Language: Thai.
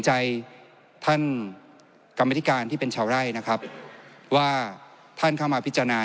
ใจท่านกรรมธิการที่เป็นชาวไร่นะครับว่าท่านเข้ามาพิจารณา